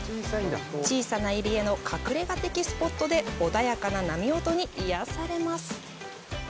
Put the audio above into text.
小さな入り江の隠れ家的スポットで穏やかな波音に癒やされます。